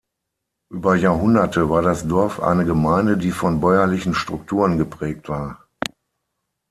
Über Jahrhunderte war das Dorf eine Gemeinde, die von bäuerlichen Strukturen geprägt war.